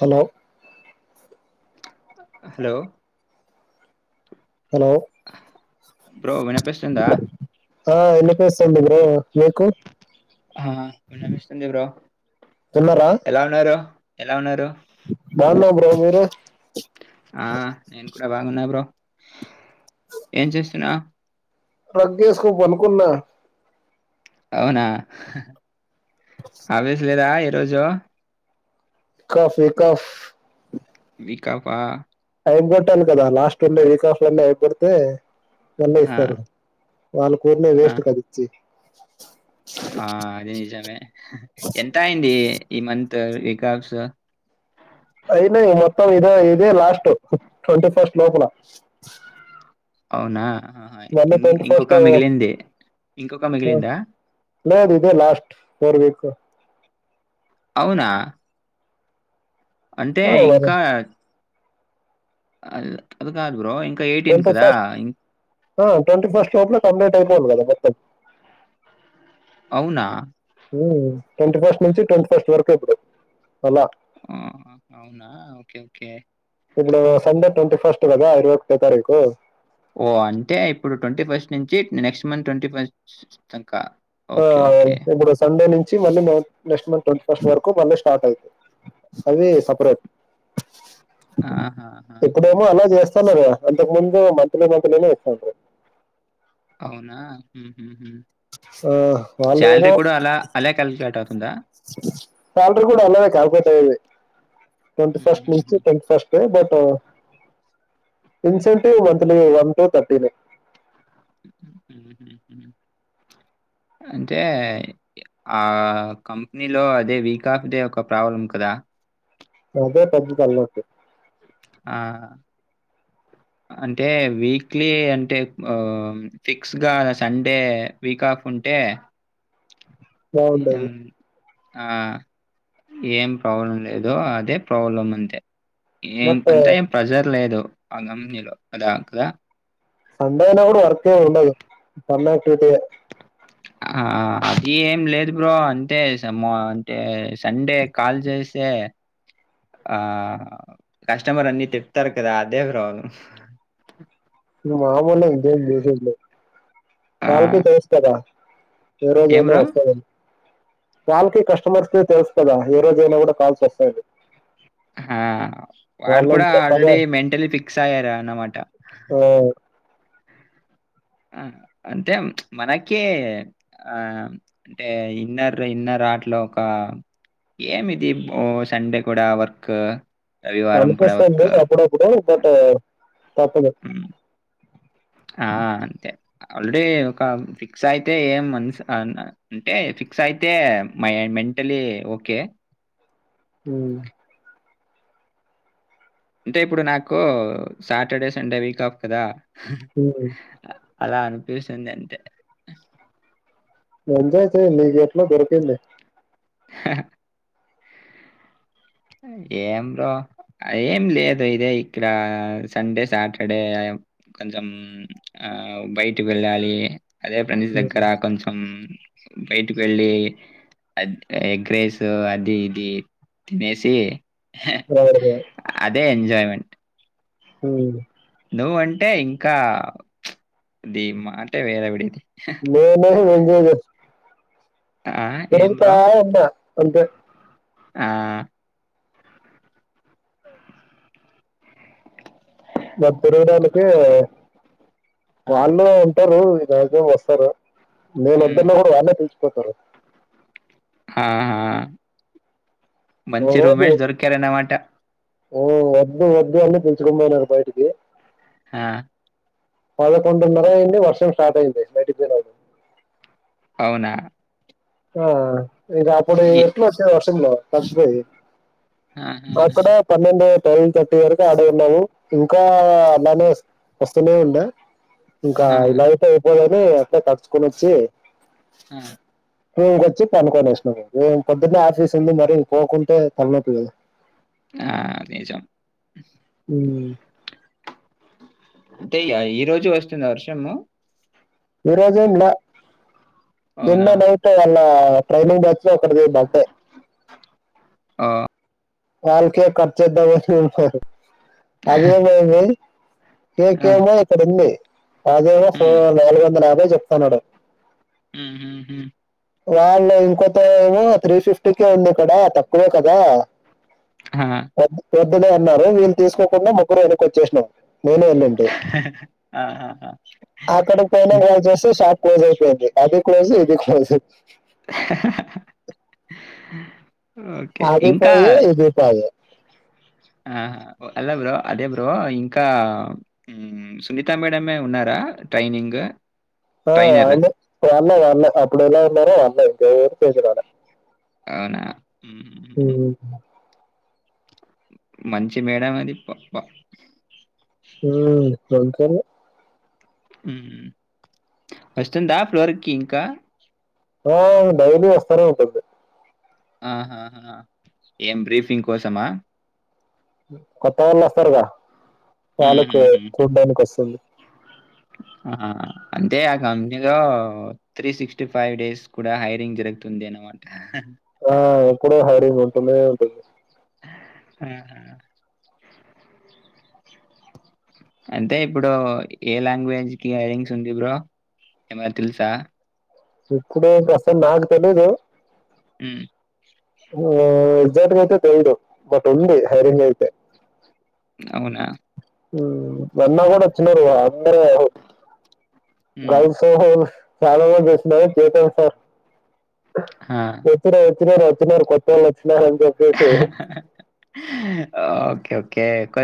Hello hello hello bro వినిపిస్తుందా ఆ ఎనిపిస్తుంది బ్రో మీకు ఆ వినపిస్తుంది బ్రో ఎలా ఉన్నారు ఎలా ఉన్నారు బాగున్నామ్ బ్రో మీరు ఆ నేను కూడా బాగున్నా బ్రో ఏం చేస్తున్నా రగ్గేశకు పనుకున్నా అవునా ఆవస్లేదా ఈ రోజు కాఫ్ వికాఫ్ వికాపా టం పట్టాను కదా లాస్ట్ ఉండే వీకా ఆఫ్ లో అయిపోతే ఎన్న ఆ ఇస్తారు వాళ్ళ కూరినే ఆ వేస్ట్ కది ఇచ్చి ఆ అదే నిజమే ఎంత అయింది ఈ మంత ఎకక్ష అయిన మొత్తం ఇదే ఇదే లాస్ట్ ట్వంటీ ఫస్ట్ లోపల అవునా మళ్ళీ ఇం ట్వంటీ ఫస్ట్ ఇంకొక మిగిలిందే ఇంకొక మిగిలిందా లేదు ఇదే లాస్ట్ ఫోర్ వీక్ అవునా అంటే ఇంకా అ అద కాదు bro twenty first twenty first లోపల కంప్లీట్ అయిపోను కదా మొత్తం అవునా ఊ ట్వంటీ ఫస్ట్ నుంచి ట్వంటీ ఫస్ట్ వరకు ఇప్పుడు అలా ఆ అవునా ఓకే ఓకే ఇప్పుడు సండే ట్వంటీ ఫస్ట్ కదా ఇరవైఒకటి తారఖ ఓ అంటే ఇప్పుడు ట్వంటీ ఫస్ట్ నుంచి నెక్స్ట్ మంత్ ట్వంటీ ఫస్ట్కా ఆ అ ఇప్పుడు సండే నుంచి మళ్ళ నెక్స్ట్ మంత్ ట్వీ ఫస్ట్ వరకు మళ్ళీ స్టార్ట్ అయింది అది సపరేట్ [inaudible] ఆహాహాహా! ఇప్పుడేమో అలా చేస్తున్నారు కదా అంతక్ ముందు మంత్లీ మంత్లీనే ఇస్తాండీ అవునా హుహుహు. ఆ వాళ్ళ సాలరీ ఏవో కూడా అలా అలా కాలిక్యులేట్ అవుతుందా? కాాలర్ కూడా అలాదే కాకపోతే ట్వంటీ ఫస్ట్ నుంచి హుహుహు. Twenty first but incentive monthly one two థర్టీని [inaudible] అంటే ఆ కంపెనీలో అదే వీక్ ఆఫ్ డే ఒక ప్రాబ్లం కదా లేకపోతే తలనొప్పి ఆ అంటే వీక్లీ అంటే ఫిక్స్ గా సండే వీక్ ఆఫ్ ఉంటే ఏ బాగుంటది. ఆ ఏం, ప్రాబ్లం, లేదు, అదే, ప్రాబ్లం, మంతే. ఏం బట్ అంతా, ఏం ప్రెజర్ లేదు, ఆ కంపెనీలో, ఆడ కదా. సండే, అయిన, గుడా, వర్క్ఎం ఉండదు, పండగ పూటే. ఆ అది ఏం లేదు బ్రో అంతే స మొన్ అంటే సండే కాల్ జెసి. తే. ఆ కస్టమర్, అన్ని తిడతారు, కదా, అదే బ్రో. ఆ! [unintelligible] ఈ రోజు ఏం ఐయినా, బ్రో? వొస్తదన్. వాళ్ళకి, కస్టమర్స్ కే, తెలుసు కదా, ఏ రోజైన గుడ, కాల్స్, ఒస్తాయని. క ఆ వాడు కూడా, చెప్పగా ఆల్రెడీ, మెంటలీ, ఫిక్స్, అయ్యారు అ అన్నమాట. ఓ. ఆ అంతే మ్, మనకే, ఆ అంటే, ఇన్నర్, ఇన్నర్ అ. దట్లో ఒక ఏమిది, పొ సండే, కూడ, వర్క్ ఊ. అనిపిస్తుంది, అప్పుడప్పుడు పొతే. ఉమ్ ఆ అంతే. ఆల్రెడీ, ఒక ఫిక్స్, అయితే, ఏం మన్స్ ఆన్ అ, అంటే, ఫిక్స్, అయితే, మై మే. Mentally okay. ఉమ్. అంటే, ఇప్పుడు, నాకూ, సాటర్డే, సండే, వీక్ కాఫ్, కదా. ఉమ్. అలా అనిపిసుంది అంతే. ఎజాయ్ చేయ్ నీకెట్లా దొరికింది. హి హి ఎమ్ బ్రో, అయి ఎం లేదు ఇదే ఇక్క డా, సండే, సాటర్డే ఐ యా మ్. కొంచం, ఆ బయటి వెళ్ళాలి, అదే ఫ్రెండ్స్ ఉమ్. దగ్గర, కొంచం. బైటికి వెళ్లి అద్ ఎగ్ రైసు అది ఇది. తినేసి అదే ఎజయ్మెంట్. ఉమ్. నువ్వ అంటే ఇంకా చ్చు ది మాటే వేరేవిడిది. నేనే ఎంజాయ్ చేస్. ఆ ఏం ఊరుకుతా బ్రో ఉంటా అంతే. ఆ. మరి తిరగడానికే. ఆ వాళ్ళు ఉంటారు ఈగ ఏళ్తే వస్తారు నేను ఉమ్, వొద్దన్నా గుడా వాళ్ళే పిల్. ఒకరు. ఆ హా ఓ మంచి రోజు రూంమేట్స్ దొరికారాన్నమాట. ఓ వద్దు వద్దు అన్న పీల్చుకొనిబోయినారు బయిటికి. ఆ, పదకొండున్నర ఐన్. అంటే వర్షం స్టార్ట్ అయ్యందంది బైటికీబోయి నాక. అవునా. ఆ ఇక అప్పుడు ఈ- ఎట్ల వొస్తావ్ వర్షం లో తడిచిపోయి. ఆహా, అక్కడ పన్నెండు. టైన్ థర్టీ వరకు అన్నే ఉన్నాము ఇంకా అలానే వస్ వస్తూనే ఉన్నా. ఇంకా ఆహా, ఇలా అయితే అయిపోదని అట్లే తడుచ్చు కొని వొచ్చి. ఆ టువెల్కోచ్చి పడుకొనోచ్చినం మేము పొద్దున్నే ఆఫీస్ ఉంది మరి పోకుంటే తలనొప్పి కదా ఆ నిజం మ్ అంటే ఈ రోజు వస్తుందా వర్షము ఎర్రజెండా నిన్న అవునా నైటే వాళ్ళ ట్రైనింగ్ బ్యాచ్ లో ఒకడు పొఇండు అంతే ఓ, వాళ్ళకే కర్చాయితది అనేసి [unintelligible] [unintelligible] ఆ, కేకేలో ఒకటి ఉంది అదేమోో ఫో ఉమ్, నాలుగు వందల యాభై చెప్తున్నాడు మ్ హు హు వాళ్ళు ఇంకోతేమో త్రీ ఫిఫ్టీకే ఉంది ఇక్కడ తక్కువే కదా ఆ, వ వద్దులే అన్నారు వీళ్ళు తీసుకోకుండా ముగ్గురం వెనక్కోచ్చేసినాం ఆ అక్కడికి పోయినాక కాల్ చేస్తే షాప్ క్లోజ్ అయిపోయింది అది క్లోజ్ ఇది క్లోజ్ ఓకే అది ఇంకా పోయి ఇది పోయి ఆ అల్లా బ్రో అదే బ్రో ఇంకా మ్ సునీతా మేడమే ఉన్నారా ఆ ట్రైనింగ్ ఆ ట్రైనర్ వాళ్ళే వాళ్ళే వాళ్ళే అప్పుడ ఎలా ఉన్నరో వాళ్ళే [unintelligible] ఆడ అవునా మ్ మంచి మేడం అది ప్ ఉమ్, అంతేలే. మ్ వస్తుందా ఫ్లోర్కి ఇంకా ఆ డైలీ వస్తానే ఉంటుంది ఆహాహా ఏం బ్రీఫింగ్ కోసమా కొత్త వాళ్ళు వస్తారుగా వాళ్ళు హుహుహుహు. చూడ్డానికోస్తుంది ఆ అంటే ఆ కంపెనీలో త్రీ సిక్స్టీ ఫైవ్ డేస్ కూడా హైరింగ్ జరుగుతుందన్ ంట ఆ ఇక్కడో హైరింగ్ ఉంటనే ఉంటుంది మ్ హు అంటే ఇప్పుడు ఏ లాంగ్వేజ్ కి హెయిరింగ్స్ ఉంది బ్రో ఏమైన తెలుసా ఇప్పుడు ప్రస్తుతం నాకు తెలియదు మ్ ఎజార్ట్ అయితే తెల్దు బట్ ఉంది హైరింగ్ లో అయితే అవునా మ్ మొన్న కూడా వచ్చినారు అందరు హై హ్మ్. గల్స్ చాలా మంది చేసన్నారు ఆ! [unintelligible] ఇప్పుడు అచ్చినారు అచ్చినారు కోత్తోళ్ళొచ్చినరం ఓకే ఓకే కొ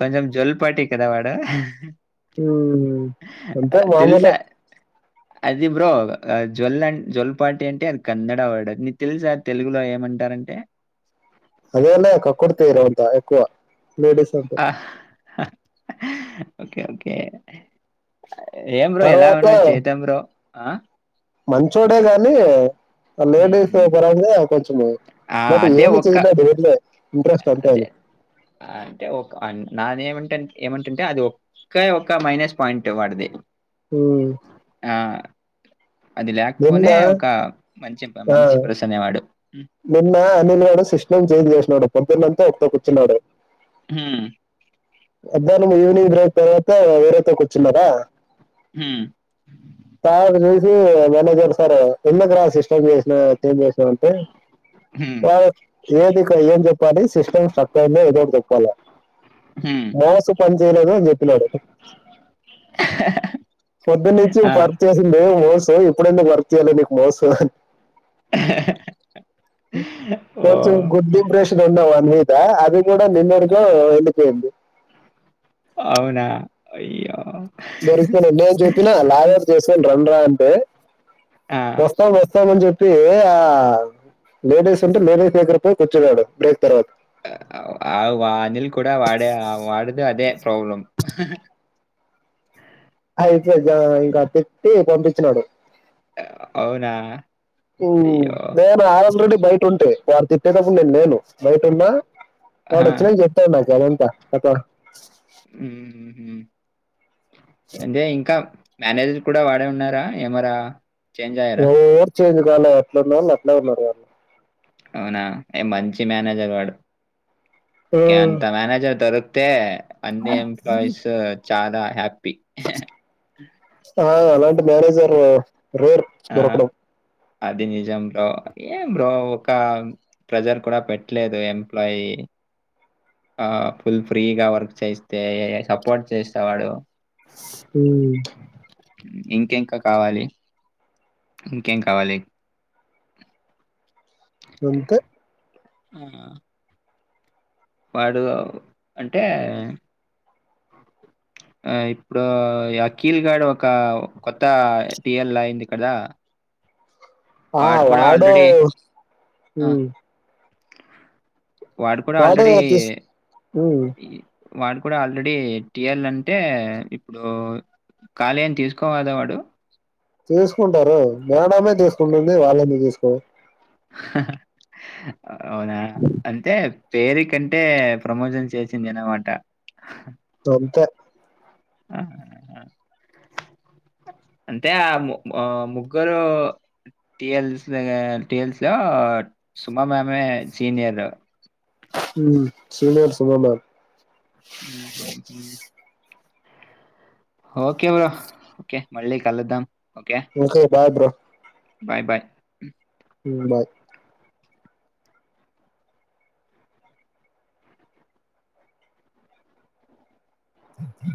కొంచెం జల్ పాటి కదా వాడు మ్ అంతే మామూలే తెలుసా అది బ్రో జ్వల్ అ జోల్పాటి అంటే అది కన్నడ వర్డ్ నీకు తెలుసా తెలుగులో ఏమంట రంటే హలో హలో కక్కుడితివి రొంత ఎక్కువ లేడీస్ అంతా ఓకే ఓకే ఏం బ్రో ఎలా తర్వాత అయిన చేద్దాం బ్రో ఆ మంచోడే గాని ఆ లేేడీస్ హుహు. [unintelligible] కొంచము ఆ! బట్ అదే ఏమి ఒక్క చేయలేదు ఉరికినే అదే అంటే ఒక అన్ నాది ఏమంటంటే ఏమంటుంటే అది ఒకే ఒక్క మైనస్ పాయింట్ వాడిది ఉమ్, నా అది లేకపోయిన నిన్న ఒక మంచి ఆ మంచి ప్రశ్నేవాడు నిన్న అనిల్ గాడు సిస్టమ్ చైంజ్ చేసినాడు పొద్దున్నంతా ఒకటే కూర్చున్నాడు మ్మ్ మధ్యాహ్నం ఈవనింగ్ అయిన తరువాత వేరేతాకి వచ్చిన్నార హ్మ్ చూసి మేనేజర్ సార్ ఎందుకు రా సిస్టం చెంజ్ చేసినావు అంటే హ్మ్. వాడు ఏది ఇక్కడ ఏం చెప్పాలి సిస్టమ్ స్ట్రక్ అయిందో ఏదోటి చెప్పాలి హ్మ్. మౌస్ పని చేయలేదు అని చెప్పినాడు పొద్దున నుంచి ఆ! వర్క్ చేసిండు మౌస్ ఇప్పుడు ఎందుకు వర్క్ చేయ్యలే నికు మౌస్ కొంచెం ఓహ్! గుడ్ ఇంప్రెషన్ ఉన్నె వాడి మీదా అది కూడా నిన్నటికే వెళ్ళిపోయింది అవునా అయ్యో దొరికిపొయిన నిను చెప్పినా లాగ్అవుట్ చేసుకని రండ్రా అంటే ఆ! వస్తాం వస్తా వస్తానని చెప్పి ఆ లేడీస్ ఉంటే లేడీస్ దగ్గర పోయి కూర్చున్నాడు బ్రో ఆ వా అనిల్ కూడా వాడే వాడిది అదే ప్రాబ్లం అయితే ఇంకా చెప్పి పంపించినాడు అవునా అయ్యో! నేను ఆ ఆల్రెడీ బయట ఉంటి వాడు చెప్పెతప్పుడు నేను లేను బయట ఉన్నా వాడు ఆహా! వచ్చినంకా చెపుతాడు నాకు అదంతా కథా మ్మ్ ఎంజాయ్ ఇంకా మేనేజర్ కూడా వాడే ఉన్నారా ఏమరా చేంజ్ అయ్యారా చెంజ్ గాలే ఎట్లా ఉన్నొళ్ళు అట్లే ఉన్నారు వాళ్ళు అవునా ఏ మంచి మేనేజర్ ఏ వాడు ఉమ్, ఎంత [unintelligible] మేనేజర్ తరు తే అన్ని ఎంప్లాయీస్ చాలా హ్యాపీ ఆ అలాంటి మేనేజర్ రేర్ ఆ! దొరకడం అది నిజం బ్రో ఎం బ్రో ఒక ప్రెజర్ కూడా పెట్టలేదు ఎంప్లాయి ఆ ఫుల్ ఫ్రీగా వర్క్ చేయిస్తే సపోర్ట్ చేసేవాడు ఉను ఇంక ఇంకా కావాలి ఇంకేం కావాలి అంతే ఆ వాడు అంటే ఆ ఇప్పుడు అఖిల్ గాడు ఒక కొత్త టీఎల్ అయింది కదా ఆ కూడా వాడు ఆల్రెడీ ఆ! వాడు కూడా ఆల్రెడీ ఉమ్. ఈ వాడు కూడా ఆల్రెడీ టీల్ అంటే ఇప్పుడు ఖాళీ అని తీసుకోవద వాడు తీసుకుంటారు మేడమే తీసుకుంటుంది వాళ్ళని తీసుకో అవునా అంటే పేరు కంటే ప్రమోషన్ చేసింది అన్నమాట అంతే ఆహ అంతే ఆ ము ఆ ముగ్గరు టీఎల్స్ ఆ టీఎల్స్ ఆ సుమ మామే సీనియరు ఊ సీనియర్ సుమా మామ్ ఊ హు హు ఓకే బ్రో ఓకే మళ్ళీ కలుదాం okay bye bro bye bye ఉ బాయ్ సత్య